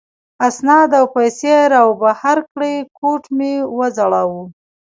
اسناد او پیسې را وبهر کړې، کوټ مې و ځړاوه.